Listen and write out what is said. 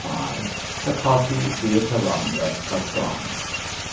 L, Hakaiti via Tharanda, Assam.